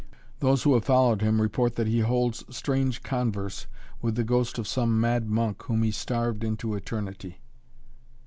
"Those who have followed him report that he holds strange converse with the ghost of some mad monk whom he starved into eternity."